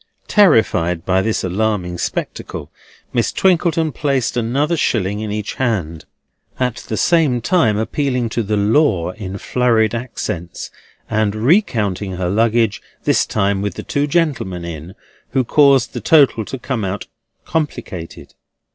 Terrified by this alarming spectacle, Miss Twinkleton placed another shilling in each hand; at the same time appealing to the law in flurried accents, and recounting her luggage this time with the two gentlemen in, who caused the total to come out complicated.